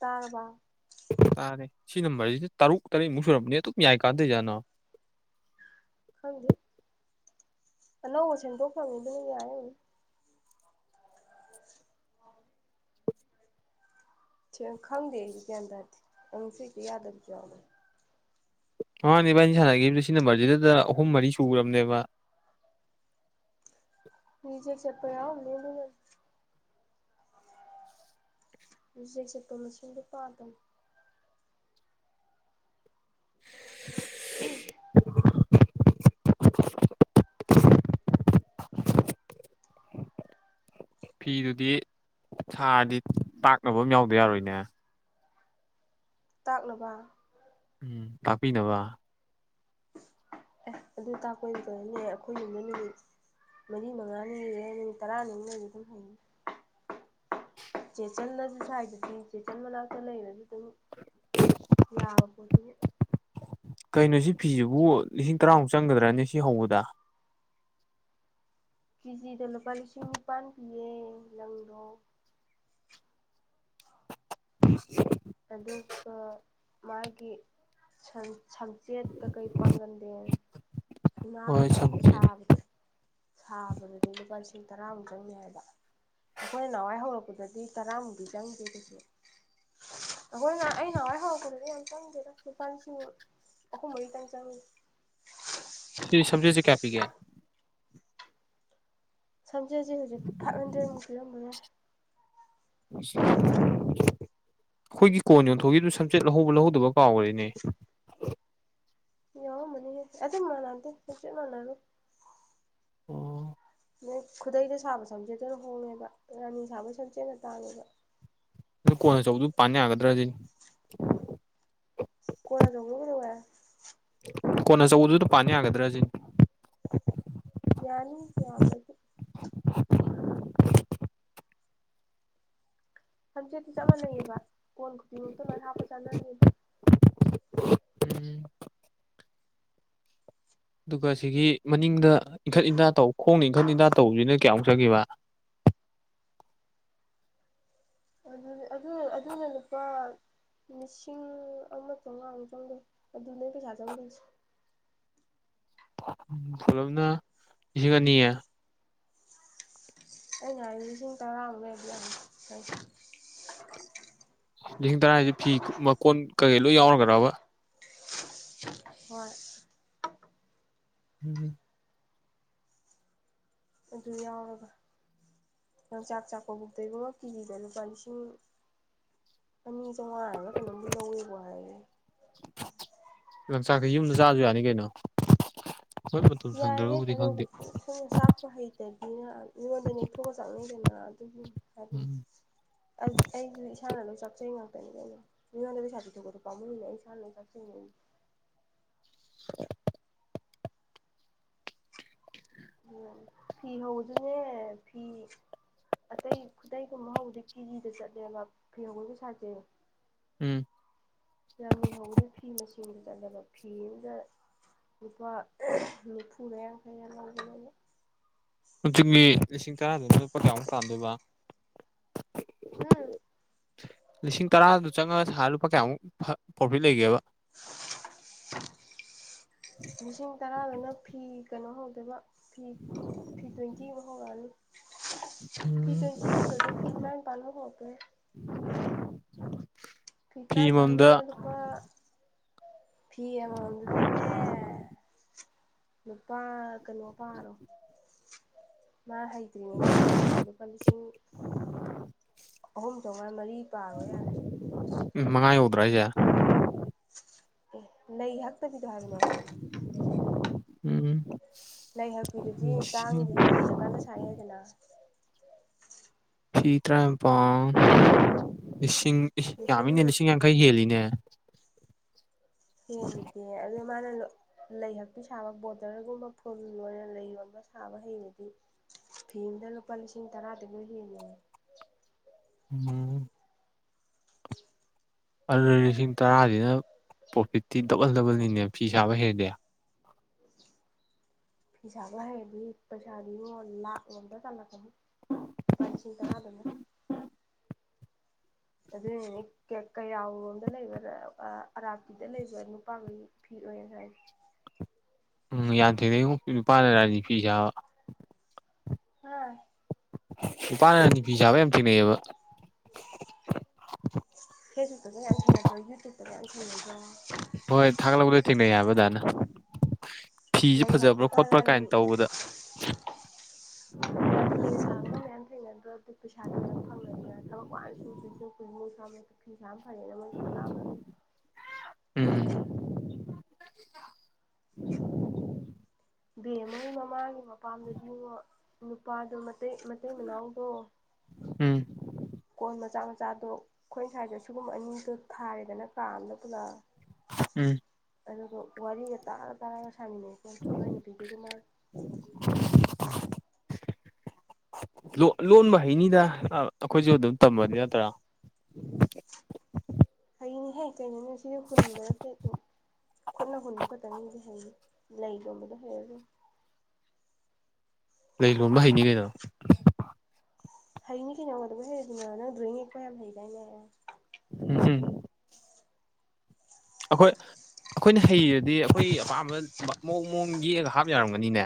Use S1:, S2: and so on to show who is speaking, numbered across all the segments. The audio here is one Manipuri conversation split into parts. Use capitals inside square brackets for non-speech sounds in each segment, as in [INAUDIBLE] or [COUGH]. S1: ꯇꯥꯔꯥꯕ
S2: ꯇꯥꯔꯦ ꯁꯤ ꯅꯝꯕꯔꯁꯤ ꯇꯔꯨꯛ ꯇꯔꯦꯠꯃꯨꯛ ꯁꯨꯔꯕꯝꯕꯅꯦ ꯑꯗꯨꯝ ꯌꯥꯏ ꯀꯥꯟꯗꯣꯏꯖꯥꯅꯣ
S1: ꯈꯪꯗꯦ ꯑꯅꯧꯕ ꯁꯦꯝꯗꯣꯛ ꯐꯪꯉꯤꯗꯨꯅ ꯌꯥꯏ ꯊꯦꯡ ꯈꯪꯗꯦ ꯑꯩꯗꯤ ꯒ꯭ꯌꯥꯟ ꯇꯥꯔꯗꯤ ꯅꯪ ꯁꯛꯇ ꯌꯥꯗꯕꯁꯨ ꯌꯥꯎꯅꯦ
S2: ꯃꯥꯅꯦꯚꯕꯥ ꯑꯩꯅ ꯁꯥꯟꯅꯈꯤꯕꯁ ꯁꯤ ꯅꯝꯕꯔꯁꯤꯗ ꯑꯍꯨꯝ ꯃꯔꯤ ꯁꯨꯈ꯭ꯔꯔꯕꯅꯦꯕ
S1: ꯃꯤꯆꯦ ꯆꯄ ꯌꯥ ꯃ ꯁ ꯆꯄ ꯃꯁꯗ ꯄꯥꯗ
S2: [UNINTELLIGIBLE] ꯐꯤꯗꯨꯗꯤ ꯁꯥꯔꯗꯤ ꯇꯥꯛꯅꯕ ꯑꯃ ꯌꯥꯎꯗꯗꯤ ꯌꯥꯔꯣꯏꯅꯦ
S1: ꯇꯥꯛꯅꯕ
S2: ꯎꯝ ꯇꯥꯛꯄꯤꯅꯕ
S1: ꯑꯦ ꯑꯗꯨ ꯇꯥꯛꯄꯗꯅꯦ ꯑꯩꯈꯣꯏ ꯅꯨꯃꯤꯠ ꯃꯔꯤ ꯃꯉꯥꯅꯤ ꯏꯔꯦ ꯅꯨꯃꯤꯠ ꯇꯔꯥꯅꯤꯃꯨꯛꯅꯗꯤ ꯑꯗꯨꯝ ꯍꯌꯦ ꯆꯦ ꯆꯟꯅꯁꯨ ꯁꯥꯏꯗꯨꯗꯤ ꯆꯦꯆꯟ ꯃꯅꯥꯛꯇ ꯂꯩꯔꯁꯨ ꯑꯗꯨꯝ ꯌꯥꯕꯗꯨꯕꯨ
S2: ꯀꯩꯅꯣ ꯁꯤ ꯐꯤꯁꯤꯕꯨ ꯂꯤꯁꯤꯡ ꯇꯔꯥꯃꯨꯛ ꯆꯪꯒꯗ꯭ꯔꯅꯦ ꯁꯤ ꯍꯧꯕꯗ
S1: ꯀꯦꯖꯤꯗ ꯂꯨꯄꯥ ꯂꯤꯁꯤꯡ ꯅꯤꯄꯥꯜ ꯄꯤꯌꯦ ꯂꯪꯗꯣ [UNINTELLIGIBLE]
S2: ꯑꯝ
S1: ꯑꯗꯨꯒ ꯃꯥꯒꯤ ꯁꯪꯆꯦꯠ ꯀꯥ ꯀꯩ ꯄꯥꯡꯒꯟꯗꯦ ꯁꯅꯥꯒ
S2: ꯍꯣꯏ
S1: ꯀꯩꯗꯤ
S2: ꯁꯝꯆꯦꯠ
S1: ꯁꯥꯕꯗꯣ ꯁꯥꯕꯗꯨꯗꯤ ꯂꯨꯄꯥ ꯂꯤꯁꯤꯡ ꯇꯔꯥꯃꯨꯛꯇꯪꯅꯦ ꯍꯥꯏꯕ ꯑꯩꯈꯣꯏꯅ ꯅꯍꯥꯟꯋꯥꯏ ꯍꯧꯔꯛꯄꯗꯗꯤ ꯇꯔꯥꯃꯨꯛ ꯆꯪꯗꯦ ꯀꯩꯁꯨ ꯑꯩ ꯅꯍꯟꯋꯥꯏ ꯍꯧꯔꯛꯕꯗꯗꯤ ꯌꯥꯝ ꯆꯪꯇꯦꯗ ꯂꯨꯄꯥ ꯂꯤꯁꯤꯡ ꯑꯍꯨꯝ ꯃꯔꯤ ꯇꯪ ꯆꯪ
S2: ꯁꯤ ꯁꯝꯖꯦꯠꯁꯤ ꯀꯌꯥ ꯄꯤꯒꯦ
S1: ꯁꯝꯖꯦꯠꯁꯦ ꯍꯧꯖꯤꯛ ꯐꯥꯏꯚ ꯍꯟꯗ꯭ꯔꯦꯗꯃꯨꯛ ꯄꯤꯔꯝꯕ ꯌꯥꯏ
S2: ꯑꯩꯈꯣꯏꯒꯤ ꯀꯣꯟ ꯌꯣꯟꯊꯣꯛꯒꯤꯕꯗꯨ ꯁꯝꯆꯦꯠ ꯂꯧꯍꯧꯕ ꯂꯧꯍꯧꯗꯕꯔ ꯀꯥꯎꯈꯔꯦꯅꯦ
S1: ꯌꯥꯎꯔꯝ ꯃꯅꯤꯍꯦ ꯑꯇꯩ ꯃꯅꯥꯗꯦ ꯁꯝꯆꯦꯠ ꯃꯅꯥꯔꯣꯏ
S2: ꯑꯣ
S1: ꯅꯣꯏ ꯈꯨꯗꯩꯗ ꯁꯥꯕ ꯁꯝꯖꯦꯠꯇꯅ ꯍꯣꯡꯉꯦꯕ ꯔꯥꯅꯤ ꯁꯥꯕ ꯁꯝꯖꯦꯠꯅ ꯇꯥꯡꯉꯦꯕ
S2: ꯑꯗꯣ ꯀꯣꯟ ꯑꯆꯧꯕꯗꯨ ꯄꯥꯟ ꯌꯥꯒꯗ꯭ꯔꯁꯤꯅꯤ
S1: ꯀꯣꯅ ꯑꯆꯧꯕꯗꯨ ꯀꯩ ꯇꯧꯔꯦ
S2: ꯀꯣꯟꯑꯆꯧꯕꯗꯨꯗ ꯄꯥꯟꯕ ꯌꯥꯒꯗ꯭ꯔꯥꯁꯤ
S1: ꯌꯥꯅꯤ ꯌꯥꯕꯗꯤ
S2: [UNINTELLIGIBLE]
S1: ꯁꯝꯆꯦꯠꯇꯤ ꯆꯞ ꯃꯥꯟꯅꯩꯌꯦꯕ ꯀꯣꯟ ꯈꯨꯗꯤꯡꯃꯛꯇ ꯂꯣꯏ ꯍꯥꯞꯄ ꯆꯥꯟꯅꯅꯦꯕ
S2: ꯎꯝ ꯑꯗꯨꯒ ꯁꯤꯒꯤ ꯃꯅꯤꯡꯗ ꯏꯟꯈꯠ ꯏꯟꯊ ꯇꯧ ꯈꯣꯡꯅ ꯏꯟꯈꯠ ꯏꯟꯊ ꯇꯧꯕꯁꯤꯅ ꯀꯌꯥꯃꯨꯛ ꯆꯈꯤꯕꯦ
S1: ꯑꯗꯨꯗꯤ ꯑꯗꯨ ꯑꯗꯨꯗꯣ ꯂꯨꯄꯥ ꯂꯤꯁꯤꯡ ꯑꯃ ꯆꯃꯉꯥꯃꯨꯛ ꯆꯪꯗꯣꯏꯅꯦ ꯑꯗꯨꯅꯦ ꯄꯩꯁꯥ ꯆꯪꯗꯣꯏꯁꯦ
S2: ꯎꯝ ꯄꯨꯂꯞꯅ ꯂꯤꯁꯤꯡ ꯑꯅꯤ
S1: ꯑꯩ ꯍꯥꯏꯁꯦ ꯂꯤꯁꯤꯡ ꯇꯔꯥꯃꯨꯛ
S2: ꯂꯤꯁꯤꯡ ꯇꯔꯥ ꯍꯥꯏꯁꯦ ꯐꯤ ꯃꯀꯣꯟ ꯀꯩꯀꯩ ꯂꯣꯏ ꯌꯥꯎꯔꯒꯗꯕ
S1: ꯍꯣꯏ
S2: ꯎꯝ
S1: ꯑꯗꯨ ꯌꯥꯎꯔꯒ ꯅꯪ ꯆꯥꯛ ꯆꯥꯛꯄꯕꯨꯛꯇ ꯉꯣ ꯀꯦꯖꯤꯗ ꯂꯨꯄꯥ ꯂꯤꯁꯤꯡ ꯑꯅꯤ ꯆꯥꯝꯃꯉꯥ ꯍꯥꯏꯕꯔ ꯀꯩꯅꯣ ꯂꯧꯋꯦꯕꯣ ꯍꯥꯏꯌꯦ
S2: ꯂꯪꯆꯥꯛꯗꯤ ꯌꯨꯝꯗ ꯆꯥꯛꯑꯁꯨ ꯌꯥꯅꯤ ꯀꯩꯅꯣ ꯍꯣꯏ ꯃꯇꯝ
S1: ꯌꯥꯏꯌꯦ
S2: ꯁꯪꯗ꯭ꯔꯒꯕꯨꯗꯤ
S1: ꯑꯗꯨꯨꯕꯨ
S2: ꯈꯪꯗꯦ
S1: ꯆꯥꯛꯄ ꯍꯩ ꯅ [INAUDIBLE] ꯌꯉꯣꯟꯗ ꯊꯧꯒ ꯆꯪꯅꯗꯦꯅꯥ ꯑꯗꯨꯕꯨ ꯍꯥꯏ
S2: ꯎꯝ
S1: ꯑꯩꯗꯤ ꯏꯁꯥꯅ ꯑꯗꯨꯝ ꯆꯥꯛꯆꯩ ꯉꯥꯛꯇꯅꯤ ꯀꯩꯅꯣ ꯃꯤꯉꯣꯟꯗꯗꯤ ꯄꯩꯁꯥ ꯕꯤꯊꯣꯛꯕꯗꯣ ꯄꯥꯝꯃꯨꯏꯕ ꯑꯩ ꯁꯥꯟꯅ ꯆꯥꯛꯆꯩ
S2: [UNINTELLIGIBLE]
S1: ꯎꯝ ꯐꯤ ꯍꯧꯕꯗꯨꯅꯦ ꯐꯤ ꯑꯇꯩ ꯈꯨꯗꯩꯒꯨꯝꯕ ꯍꯧꯕꯗꯤ ꯀꯦꯖꯤꯗ ꯆꯠꯂꯦꯕ ꯐꯤ ꯍꯧꯕꯩ ꯄꯩꯁꯥꯁꯦ
S2: ꯎꯝ
S1: ꯔꯥꯅꯤ ꯍꯧꯕꯗꯤ ꯐꯤ ꯃꯁꯤꯡꯗ ꯆꯠꯂꯦꯕ ꯐꯤ ꯑꯃꯗ ꯂꯨꯄꯥ ꯅꯤꯐꯨꯅꯦ ꯀꯩꯅꯅ ꯂꯧꯕ
S2: ꯍꯧꯖꯤꯛ ꯃꯤ ꯂꯤꯁꯤꯡ ꯇꯔꯥꯗꯨꯅ ꯂꯨꯄꯥ ꯀꯌꯥꯃꯨꯛ ꯇꯥꯟꯗꯣꯏꯕ
S1: ꯎꯝ
S2: ꯂꯤꯁꯤꯡ ꯇꯔꯥꯗꯨ ꯆꯪꯉꯒ ꯁꯥꯕ ꯂꯨꯄꯥ ꯀꯌꯥꯃꯨꯛ ꯄ꯭ꯔꯣꯐꯤꯠ ꯂꯩꯒꯦꯕ
S1: [UNINTELLIGIBLE] ꯂꯤꯁꯤꯡ ꯇꯔꯥꯗꯨꯅ ꯐꯤ ꯀꯩꯅꯣ ꯍꯧꯗꯣꯏꯕ ꯐꯤ ꯐꯤ ꯇ꯭ꯋꯦꯟꯇꯤꯃꯨꯛ ꯍꯧꯗꯣꯏꯕ ꯐꯤ ꯇꯋꯦꯟꯇꯤ ꯍꯧꯕꯗ ꯐꯤ ꯇꯔꯥ ꯅꯤꯄꯥꯟ ꯐꯡꯉꯛꯄ ꯌꯥꯏ
S2: [UNINTELLIGIBLE]
S1: ꯐꯤ ꯇꯔꯥꯅꯤꯄꯥꯟꯗꯨꯗ ꯂꯨꯄꯥ ꯐꯤ ꯑꯃ ꯃꯝ ꯗꯨꯗꯅꯦ ꯂꯨꯄꯥ ꯀꯩꯅꯣ ꯄꯥꯔꯣ ꯃꯥ ꯍꯩ ꯄꯨꯨ ꯑꯃꯒꯤ ꯁꯥꯕꯗ ꯂꯨꯄꯥ ꯂꯤꯁꯤꯡ ꯑꯍꯨꯝ ꯆꯧꯉꯥ ꯃꯔꯤ ꯄꯥꯔꯣ ꯌꯥꯔꯦ
S2: ꯎꯝ ꯃꯉꯥ ꯍꯧꯗ꯭ꯔꯥ ꯍꯥꯢꯖ
S1: ꯑꯦ ꯂꯩ ꯍꯛꯇꯕꯤꯗꯣ ꯍꯥꯏꯕꯅꯦ
S2: ꯎꯝ
S1: ꯂꯩ ꯍꯥꯛꯄꯤꯗꯨꯗꯤ
S2: ꯂꯤꯁꯤꯡ
S1: [UNINTELLIGIBLE] ꯍꯩꯔꯀꯥꯟꯅ ꯁꯥꯏ ꯌꯥꯢꯗꯅ
S2: ꯐꯤ ꯇꯔꯥꯅꯤꯄꯥꯟ ꯂꯤꯁꯤꯡ ꯌꯥꯝꯃꯤꯅꯦ ꯂꯤꯁꯤꯡ ꯌꯥꯡꯈꯩ ꯍꯦꯜꯂꯤꯅꯦ
S1: ꯍꯦꯟꯗꯗꯤ ꯑꯗ ꯃꯥꯅ ꯂꯩ ꯍꯛꯇꯤ ꯁꯥꯕ ꯕꯣꯗꯔꯒꯨꯝꯕ ꯐꯨꯜ ꯂꯣꯏ ꯂꯩꯒꯨꯝꯕ ꯁꯥꯕ ꯍꯩꯔꯗꯤ ꯐꯤ ꯑꯃꯅ ꯂꯨꯄꯥ ꯂꯤꯁꯤꯡ ꯇꯔꯥꯗꯒꯤ ꯍꯦꯜꯂꯤꯅꯦ
S2: ꯎꯝ ꯑꯗꯨ ꯂꯤꯁꯤꯡ ꯇꯔꯥꯁꯤꯅ ꯄ꯭ꯔꯣꯐꯤꯠꯇꯤ ꯗꯕꯜ ꯗꯕꯜꯅꯤꯅꯦ ꯐꯤ ꯁꯥꯕ ꯍꯩꯔꯗꯤ
S1: ꯐꯤ ꯁꯥꯥꯕ ꯍꯩꯔꯗꯤ ꯄꯩꯁꯥꯗꯤ ꯉꯣ ꯂꯥꯛꯂꯣꯝꯗ ꯇꯥꯜꯂꯛꯀꯅꯤ ꯂꯨꯄꯥ ꯂꯤꯁꯤꯡ ꯇꯔꯥꯗꯨꯅ ꯑꯗꯨꯢꯅꯅꯦ ꯀꯩꯔꯥꯎꯔꯣꯝꯗ ꯂꯩꯕ ꯑꯔꯥꯄꯤꯗ ꯂꯩꯕ ꯅꯨꯄꯥꯒꯩ ꯐꯤ ꯑꯣꯢ ꯁꯥꯢꯁꯦ
S2: ꯎꯝ ꯌꯥꯝ ꯊꯦꯡꯉꯩꯕꯨ ꯅꯨꯄꯥꯅ ꯔꯥꯅꯤ ꯐꯤ ꯁꯥꯕ
S1: ꯍꯥ
S2: ꯅꯨꯄꯥꯅ ꯔꯥꯅꯣ ꯐꯤ ꯁꯥꯕ ꯌꯥꯝ ꯊꯦꯡꯅꯩꯑꯕ
S1: ꯐꯦꯁꯕꯨꯛꯇꯒ ꯌꯥꯝ ꯊꯦꯡꯅꯗ꯭ꯔꯣ ꯌꯨꯇꯨꯞꯇꯒ ꯌꯥꯝ ꯊꯦꯡꯅꯗ꯭ꯔꯣ
S2: ꯍꯣꯏ ꯊꯥꯒꯠꯂꯛꯄꯗ ꯊꯦꯡꯅꯩ ꯍꯥꯏꯕ ꯑꯗꯥꯢꯅ ꯐꯤꯖꯦ
S1: ꯂꯩ
S2: ꯐꯖꯕ꯭ꯔꯥ
S1: ꯍꯛꯄꯒ
S2: ꯈꯣꯠꯄ꯭ꯔꯥ ꯀꯥꯏ
S1: ꯔꯥꯅꯤ
S2: ꯇꯧꯕꯗ [INAUDIBLE]
S1: ꯔꯥꯅꯤꯒ ꯁꯥꯕꯒ ꯃꯌꯥꯝ ꯊꯦꯡꯅꯗ꯭ꯔꯣ ꯑꯗꯨ ꯄꯩꯁꯥ ꯃꯌꯥꯝ ꯐꯪꯉꯅꯤꯅ ꯊꯕꯛ ꯋꯥꯅ ꯁꯨꯗ꯭ꯔꯣꯢ ꯁꯔꯨꯛꯄꯨꯗꯤ ꯅꯨꯡꯁꯥ ꯃꯔꯛꯇ ꯐꯤ ꯁꯥꯕꯅ ꯐꯔꯦꯅ ꯃꯣꯢꯁꯨ ꯈꯜꯂꯛꯑꯝꯅꯤ
S2: ꯎꯝ ꯍꯝ
S1: ꯕꯦꯝꯃ ꯍꯣꯏ ꯃꯃꯥꯒꯤ ꯃꯄꯥꯝꯗꯗꯤ ꯉꯣ ꯅꯨꯄꯥꯗꯣ ꯃꯇꯩ ꯃꯇꯩ ꯃꯅꯥꯎꯗꯣ
S2: ꯎꯝ
S1: ꯀꯣꯟ ꯃꯆꯥ ꯃꯆꯥꯗꯣ ꯑꯩꯈꯣꯏꯁꯥꯏꯗꯣ ꯁꯤꯨꯒꯨꯝꯕ ꯑꯅꯤꯗꯣ ꯊꯥꯔꯦꯗꯅ ꯀꯥ ꯑꯃꯗ ꯄꯨꯂꯞ
S2: ꯎꯝ
S1: ꯑꯗꯨꯒ ꯋꯥꯔꯤꯒ ꯇꯥꯔ ꯇꯥꯔꯒ ꯁꯥꯥꯟꯃꯤꯟꯅꯩ ꯃꯣꯏ ꯅꯨꯄꯤꯗꯨꯒꯨ ꯃꯥꯒ
S2: [UNINTELLIGIBLE] ꯂꯣ ꯂꯣꯟꯕ ꯍꯩꯅꯤꯗ ꯑꯩꯈꯣꯏꯖꯨ ꯑꯗꯨꯝ ꯇꯝꯕꯗꯤ ꯅꯠꯇ꯭ꯔꯥ
S1: ꯍꯩꯅꯤꯍꯦ ꯀꯩꯅꯣꯅꯦ ꯁꯤꯗꯤ ꯍꯨꯟꯕ ꯅꯠꯇꯦ ꯑꯗꯨꯝ ꯈꯨꯠꯅ ꯍꯨꯟꯕ ꯈꯛꯇꯪꯅꯤꯗꯤ ꯍꯩꯅꯤ ꯂꯩꯒꯨꯝꯕꯗꯤ ꯍꯩꯔꯔꯣꯢ
S2: ꯂꯩ ꯂꯣꯟꯕ ꯍꯩꯅꯤ ꯀꯩꯅꯣ
S1: ꯍꯩꯅꯤ ꯀꯩꯅꯣ ꯅꯪ ꯀꯩꯗꯧꯕꯩ ꯍꯩꯔꯣꯏꯗꯣꯏꯅꯣ ꯅꯪ ꯗ꯭ꯔꯣꯋꯤꯡ ꯌꯦꯛꯄ ꯌꯥꯝ ꯍꯩ ꯗꯥꯏꯅꯦ
S2: ꯎꯝ ꯑꯩꯈꯣꯏ ꯑꯩꯈꯣꯏꯅ ꯍꯩꯔꯗꯤ ꯑꯩꯈꯣꯏ ꯑꯄꯥꯝꯕ ꯃꯑꯣꯡ ꯃꯑꯣꯡ ꯌꯦꯛꯑꯒ ꯍꯥꯞ ꯌꯥꯔꯝꯒꯅꯤꯅꯦ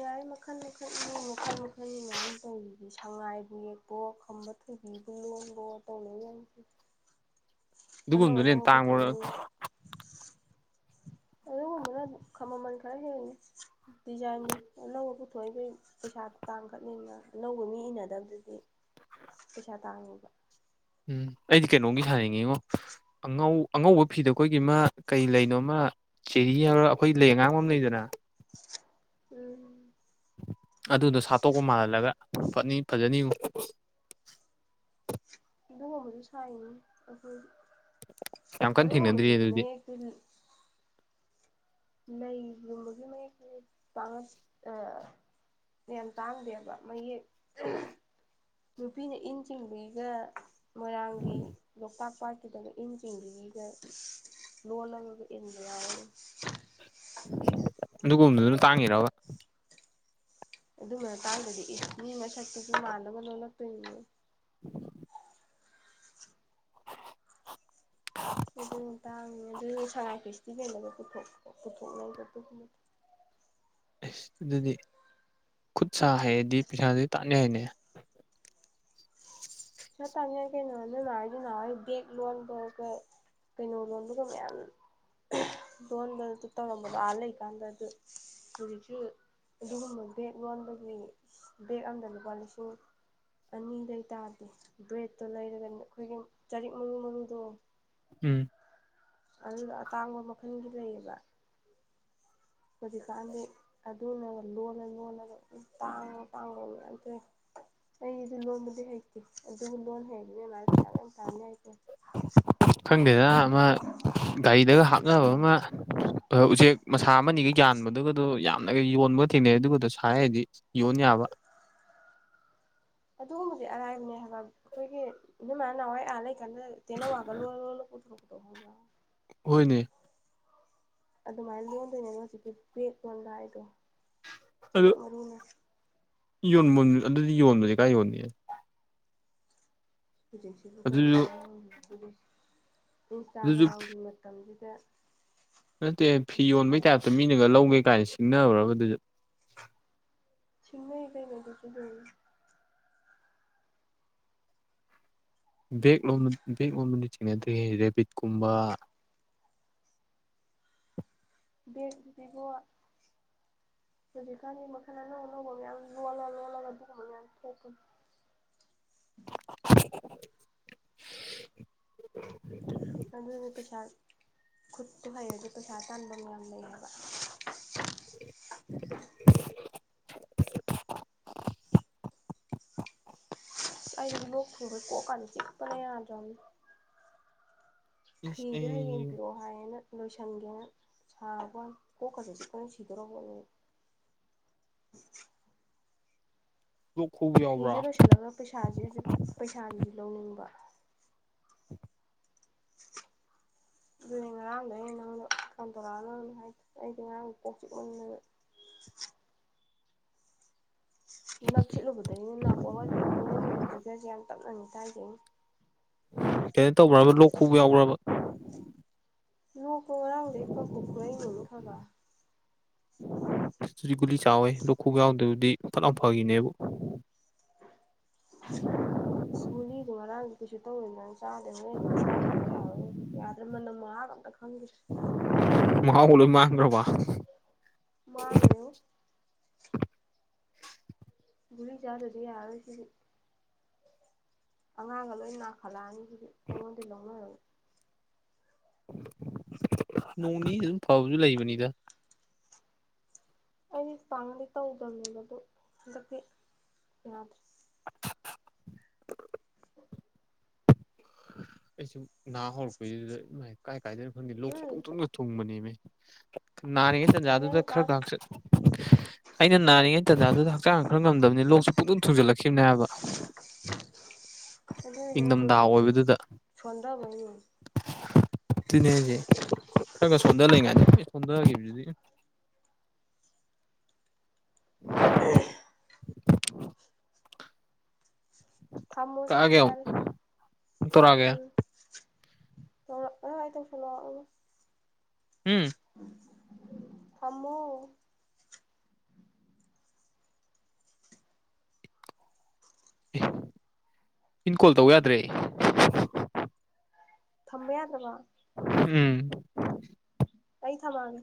S1: ꯌꯥꯢ ꯃꯈꯟ ꯃꯈꯟ ꯃꯤ ꯃꯈꯟ ꯃꯈꯟ ꯃꯌꯥꯝ ꯇꯧꯔꯤꯗꯤ ꯁꯉꯥꯏꯕꯨ ꯌꯦꯛꯋꯣ ꯈꯝꯕ ꯊꯣꯢꯕꯤꯕꯨ ꯂꯣꯟꯕꯋꯣ ꯇꯧꯅꯩ ꯃꯌꯥꯝꯁꯤꯗꯤ
S2: ꯑꯗꯨꯒꯨꯝꯕ ꯗꯨꯅ ꯍꯦꯟꯅ ꯇꯥꯡꯕ꯭ꯔꯣ
S1: ꯄꯨꯊꯣꯛꯅꯩ ꯑꯗꯨꯒꯨꯝꯕꯅ ꯈꯃꯃꯜ ꯈꯔ ꯍꯦꯟꯜꯂꯦ ꯗꯤꯖꯥꯏꯟꯗꯣ ꯑꯅꯧꯕ ꯄꯨꯊꯣꯛꯏ ꯀꯩ ꯄꯩꯁꯥꯗꯤ ꯇꯥꯡꯈꯠꯂꯤꯅ ꯑꯅꯧꯕ ꯃꯤ ꯏꯅꯗꯕꯗꯨꯗꯤ ꯄꯩꯁꯥ ꯇꯥꯡꯉꯦꯕ
S2: ꯎꯝ ꯑꯩꯗꯤ ꯀꯩꯅꯣꯝꯒꯤ ꯁꯥꯅꯤꯡꯉꯤꯉꯣ ꯑꯉꯧ ꯑꯉꯧꯕ ꯐꯤꯗꯣ ꯑꯩꯈꯣꯏꯒꯤꯃꯥ ꯀꯩ ꯂꯩꯅꯣꯃ ꯆꯦꯔꯤ ꯍꯥꯢꯕ꯭ꯔꯥ ꯑꯩꯈꯣꯏ ꯂꯩ ꯑꯉꯥꯡ ꯑꯃ ꯂꯩꯗꯅ
S1: ꯎꯝ
S2: ꯑꯗꯨꯗꯣ ꯁꯥꯠꯇꯣꯛꯄ ꯃꯥꯜꯍꯜꯂꯒ ꯐꯅꯤ ꯐꯖꯅꯤꯕꯨ
S1: ꯑꯗꯨꯒꯨꯝꯕꯗꯨ ꯁꯥꯏꯅꯤ ꯑꯩꯈꯣꯢꯗꯤ
S2: ꯌꯥꯝ ꯀꯟꯅ ꯊꯦꯡꯅꯗ꯭ꯔꯤ
S1: ꯑꯗꯨꯒꯨꯝꯕꯗꯨꯗꯤ
S2: ꯑꯗꯨꯗꯤ
S1: ꯃꯌꯦꯛꯇꯨ ꯂꯩꯒꯨꯝꯕꯒꯤ ꯃꯌꯦꯛꯇꯨꯅ ꯇꯥꯡꯉꯛ ꯌꯥꯝ ꯇꯥꯡꯗꯦꯕ ꯃꯌꯦꯛ ꯅꯨꯄꯤꯅ ꯏꯟ ꯆꯤꯡꯕꯤꯒ ꯃꯣꯏꯔꯥꯡꯒꯤ ꯂꯣꯛꯇꯥꯛ ꯄꯥꯠ ꯀꯗꯕ ꯏꯟ ꯆꯤꯡꯒꯤꯒ ꯂꯣꯜꯂꯒꯒ ꯏꯟꯕ ꯌꯥꯎꯋꯦ
S2: ꯑꯗꯨꯒꯨꯝꯕꯗꯨꯅ ꯇꯥꯡꯉꯤꯔꯕ
S1: ꯑꯗꯨꯃ ꯃꯗ ꯇꯥꯡꯗꯗꯤ ꯏꯁ ꯃꯤ ꯃꯁꯛꯇꯁꯨ ꯃꯥꯟꯅꯕ ꯂꯣꯜꯂꯛꯇꯣꯏꯅꯦ ꯑꯗꯨ ꯇꯥꯡꯉ ꯑꯗꯨ ꯁꯉꯥꯏ ꯐꯦꯁꯇꯤꯚꯦꯜꯒ ꯄꯨꯊꯣꯛꯅꯩꯒꯣ ꯑꯗꯨꯒꯤ
S2: ꯑꯁ ꯑꯗꯨꯗꯤ ꯈꯨꯠ ꯁꯥ ꯍꯩꯔꯗꯤ ꯄꯩꯁꯥꯥꯁ ꯇꯥꯟꯌꯥꯏꯅꯦ
S1: ꯁꯥ ꯇꯥꯟꯕ ꯌꯥꯏ ꯀꯩꯅꯣ ꯅꯣꯏꯃ ꯅꯣꯏꯃꯥꯍꯣꯏ ꯕꯦꯛ ꯂꯣꯟꯕꯒ ꯀꯩꯅꯣ ꯂꯣꯟꯕꯒ ꯃꯌꯥꯝ ꯂꯣꯟꯕ ꯑꯗꯨ ꯇꯧꯔꯝꯕꯗꯣ ꯑꯥ ꯂꯩꯀꯥꯟꯗ ꯑꯗꯨ ꯍꯧꯖꯤꯛꯁꯨ ꯑꯗꯨꯒꯨꯝꯕ ꯕꯦꯛ ꯂꯣꯟꯕꯒꯤ ꯕꯦꯛ ꯑꯝꯗ ꯂꯨꯄꯥ ꯂꯤꯁꯤꯡ ꯑꯅꯤ ꯗꯩ ꯇꯥꯗꯦ ꯕ꯭ꯔꯦꯠꯇꯣ ꯂꯩꯔꯒ ꯑꯩꯈꯣꯏꯒꯤ ꯆꯔꯤꯛ ꯃꯔꯨ ꯃꯔꯨꯗꯣ
S2: ꯎꯝ
S1: ꯑꯗꯨꯗꯣ ꯑꯇꯥꯡꯕ ꯃꯈꯜꯒꯤ ꯂꯩꯌꯦꯕ ꯍꯧꯖꯤꯛꯀꯥꯟꯗꯤ ꯑꯗꯨꯅꯒ ꯂꯣꯜꯂ ꯂꯣꯜꯂꯒ ꯇꯥꯡ ꯇꯥꯡꯕ ꯉ ꯑꯩꯗꯤ ꯂꯣꯟꯕꯗꯤ ꯍꯩꯇꯦ ꯑꯗꯨꯕꯨ ꯂꯣꯟ ꯍꯩꯔꯗꯤꯅꯦ ꯃꯥ ꯄꯩꯁꯥ ꯌꯥꯝ ꯇꯥꯅꯤ ꯍꯥꯏ
S2: ꯈꯪꯗꯦꯗ ꯑꯃ ꯒꯥꯔꯤꯗꯒ ꯍꯥꯞꯅꯕ ꯑꯃ ꯑ ꯎꯆꯦꯛ ꯃꯁꯥ ꯑꯃꯅꯤꯒ ꯌꯥꯟꯕꯗꯨꯒꯗꯣ ꯌꯥꯝꯅꯒ ꯌꯣꯟꯕꯒ ꯊꯦꯡꯅꯩ ꯑꯗꯨꯒꯗꯣ ꯁꯥ ꯍꯩꯗꯤ ꯌꯣꯟ ꯌꯥꯕ
S1: ꯑꯗꯨꯒꯨꯝꯕꯗꯤ ꯑꯔꯥꯏꯕꯅꯦ ꯍꯥꯏꯕ ꯑꯩꯈꯣꯏꯒꯤ ꯅꯣꯏꯃꯥꯟ ꯅꯍꯥꯟꯋꯥꯏ ꯑꯥ ꯂꯩ ꯀꯟꯗ ꯇꯦꯅꯋꯥꯒꯒ ꯂꯣꯜꯂ ꯂꯣꯜꯂ ꯄꯨꯊꯣꯔꯛꯄꯗꯣ ꯈꯪꯕꯔꯥ
S2: ꯍꯣꯏꯅꯦ
S1: ꯑꯗꯨꯃꯥꯏꯅ ꯂꯣꯟꯗꯣꯏꯅꯦꯗꯣ ꯍꯧꯖꯤꯛꯀꯤ ꯕꯦꯛ ꯂꯣꯟꯕ ꯍꯥꯏꯖꯦ ꯆꯔꯤꯠ ꯃꯔꯨꯅ
S2: ꯌꯣꯟꯕ ꯑꯗꯨꯗꯤ ꯌꯣꯟꯕꯁꯦ ꯀꯥꯏ ꯌꯣꯟꯒꯦ
S1: ꯍꯧꯖꯤꯛꯁꯤꯕꯨ ꯀꯩꯅꯣ
S2: ꯑꯗꯨꯁꯨ
S1: ꯍꯧꯖꯤꯛ
S2: ꯑꯗꯨꯁꯨ
S1: ꯏꯟꯁꯇꯥꯒ꯭ꯔꯥꯝꯒꯤ ꯃꯇꯝꯁꯤꯗ
S2: ꯅꯠꯇꯦ ꯐꯤ ꯌꯣꯟꯕꯩ ꯇꯥꯏꯞꯇ ꯃꯤꯅꯒ ꯂꯧꯒꯦ ꯀꯥꯏꯅ ꯁꯤꯡꯅꯕꯔꯕ ꯑꯗꯨꯁꯨ
S1: ꯁꯤꯡꯅꯩ ꯀꯩꯅꯣ ꯗꯨꯁꯨꯗꯨꯝ
S2: ꯕꯦꯛ ꯂꯣꯝꯗ ꯕꯦꯛ ꯂꯣꯝꯗꯗꯤ ꯊꯦꯡꯅꯗ꯭ꯔꯤ ꯔꯦꯕꯤꯠꯀꯨꯝꯕ
S1: ꯏꯕꯣ ꯍꯧꯖꯤꯛ ꯀꯥꯟꯒꯤ ꯃꯈꯟ ꯑꯅꯧ ꯅꯧꯕ ꯃꯌꯥꯝ ꯂꯣꯂ ꯂꯣꯂ ꯑꯗꯨꯒꯨꯝꯕ ꯃꯌꯥꯝ ꯊꯣꯛꯄꯅꯦ
S2: [INAUDIBLE]
S1: ꯑꯗꯨꯅꯦ ꯄꯩꯁꯥ ꯈꯨꯠꯇꯨ ꯍꯩꯔꯗꯤ ꯄꯩꯁꯥ ꯇꯥꯟꯕꯝ ꯌꯥꯝ ꯂꯩ ꯍꯥꯏꯕ
S2: [INAUDIBLE]
S1: ꯑꯩꯖ ꯂꯣꯛ ꯊꯨꯡꯕꯒꯤ ꯀꯣꯛꯀꯥꯖꯦ ꯆꯤꯛꯄꯅ ꯌꯥꯗꯔꯝꯅꯤ
S2: ꯏꯁ
S1: ꯐꯤꯖꯦ ꯍꯌꯦꯡ
S2: ꯑꯩ
S1: ꯄꯤꯔꯣ ꯐꯥꯏꯌꯦꯅ ꯂꯣꯏꯁꯟꯒꯦꯅ ꯁꯥꯕ ꯋꯥꯟ ꯀꯣꯛꯀꯖ ꯆꯤꯛꯄꯅ ꯁꯤꯗꯣꯔꯄꯣꯅꯦ [INAUDIBLE]
S2: ꯂꯣꯛ ꯈꯨꯕ ꯌꯥꯎꯕ꯭ꯔꯥ
S1: ꯐꯤꯖꯦ ꯂꯣꯏꯁꯜꯂꯒ ꯄꯩꯁꯥꯁꯦ ꯍꯧꯖꯤ ꯄꯩꯁꯥꯖꯤꯁꯨ ꯂꯧꯅꯤꯡꯕ
S2: [UNINTELLIGIBLE]
S1: ꯑꯗꯨꯅꯦ ꯉꯔꯥꯡꯗ ꯑꯩꯅ ꯅꯪꯉꯣꯟꯗ ꯐꯣꯟ ꯇꯧꯔꯛꯑꯅꯨ ꯍꯥꯏꯗꯣ ꯑꯩꯗꯤ ꯉꯔꯥꯡ ꯀꯣꯛ ꯆꯤꯛꯃꯟꯗꯅ ꯅꯞꯁꯤꯠꯂꯨꯕꯗꯒꯤꯅꯦ ꯅꯥꯀꯣꯡꯒꯁꯦ ꯂꯣꯏ ꯄꯪꯁꯤꯟꯈ꯭ꯔꯦ [UNINTELLIGIBLE]
S2: ꯀꯩꯅꯣ ꯇꯧꯕ꯭ꯔꯕ ꯂꯣꯛ ꯈꯨꯕ ꯌꯥꯎꯕ꯭ꯔꯕ
S1: ꯂꯣꯛ ꯈꯨꯕ ꯌꯥꯎꯗꯦ ꯀꯪꯈꯨ ꯈꯨꯔꯩꯅꯦꯃꯤ ꯍꯏꯕꯥ
S2: ꯒꯨꯂꯤ ꯆꯥꯎꯋꯦ ꯂꯨꯈꯨ ꯌꯥꯎꯗꯗꯤ ꯐꯠ ꯂꯥꯎ ꯐꯈꯤꯅꯦꯕ
S1: [INAUDIBLE] ꯒꯨꯂꯤꯗꯣ ꯉꯔꯥꯡꯗꯤ ꯀꯩꯁꯨ ꯇꯧꯔꯣꯏꯅ ꯑꯩ ꯆꯥꯗꯦ ꯍꯨꯔꯦꯟꯗꯤ ꯆꯥꯗꯗꯤ ꯌꯥꯔꯔꯣꯏ ꯌꯥꯗ꯭ꯔꯦ ꯃꯅꯝ ꯃꯍꯥꯒ ꯑꯝ ꯑꯈꯪꯒꯤ
S2: ꯃꯍꯥꯎꯒ ꯂꯣꯏ ꯃꯥꯒ꯭ꯔꯕ
S1: ꯃꯥꯡꯒ꯭ꯔꯦꯕꯣ ꯒꯨꯂꯤ ꯆꯗ꯭ꯔꯗꯤ ꯌꯥꯔꯔꯣꯏ ꯁꯤꯗꯤ ꯑꯉꯥꯡꯒ ꯂꯣꯏ ꯅꯥꯈꯠꯂꯛꯑꯅꯤꯁꯤꯗꯤ ꯑꯩꯉꯣꯟꯗ ꯂꯧꯅꯔꯒꯦ
S2: ꯅꯣꯡꯅꯤ ꯑꯗꯨꯝ ꯐꯕꯁꯨ ꯂꯩꯕꯅꯤꯗ
S1: ꯑꯩꯗꯤ ꯇꯥꯡꯉꯗꯤ ꯇꯧꯗ꯭ꯔꯕꯅꯦꯕ ꯑꯗꯨ ꯍꯟꯗꯛꯇꯤ ꯌꯥꯗ꯭ꯔꯦ
S2: ꯑꯩꯁꯨ ꯅꯍꯥ ꯍꯧꯔꯛꯄꯩꯗꯨꯗꯥꯏ ꯀꯥꯏ ꯀꯥꯏꯗꯅꯣ ꯈꯪꯗꯦ ꯂꯣꯛꯣꯛ
S1: ꯎꯝ
S2: ꯊꯅ ꯊꯨꯡꯕꯅꯦꯃꯦ ꯅꯥꯔꯤꯉꯩ
S1: ꯀꯩ
S2: ꯇꯥꯟꯖꯥꯗꯨꯗ
S1: ꯍꯥꯏꯅꯣ ꯇꯥ
S2: ꯈꯔꯒꯆꯠ ꯑꯩꯅ ꯅꯥꯔꯤꯉꯩ ꯇꯖꯗꯨꯗ ꯍꯛꯆꯥꯡ ꯈꯔ ꯉꯝꯗꯕꯅꯤ ꯂꯣꯛꯁꯨ ꯄꯨꯟ ꯊꯨꯖꯜꯂꯛꯈꯤꯕꯅꯦ ꯍꯥꯏꯕ
S1: ꯑ
S2: ꯏꯪꯊꯝꯊꯥ
S1: ꯁꯟꯗꯥ ꯑꯣꯏ
S2: ꯑꯗꯨꯤꯅꯦ ꯍꯥꯏꯁꯦ ꯈꯔ ꯈ ꯁꯣꯟꯊ ꯂꯩꯉꯥꯏꯗ ꯁꯣꯟꯊꯈꯤꯕꯗꯨꯗꯤ ꯎ
S1: ꯎꯝ
S2: [UNINTELLIGIBLE]
S1: ꯊꯝꯃꯣꯁꯤ
S2: ꯀꯛꯑꯒꯦ ꯑꯃꯨꯛ
S1: ꯌꯥꯔ
S2: ꯇꯧꯔꯛꯑꯒꯦ
S1: ꯎꯝ ꯇꯧꯔꯛꯅꯤ ꯇꯧꯁꯜꯂꯛꯑꯣ
S2: ꯎꯝ
S1: ꯊꯃꯣ
S2: ꯑꯦ ꯏꯤꯟ ꯀꯣꯜ ꯇꯧ ꯌꯥꯗ꯭ꯔꯦ
S1: ꯊꯝꯕ ꯌꯥꯗꯕꯥ
S2: ꯎꯝ
S1: ꯀꯩ ꯊꯃꯥꯡꯒ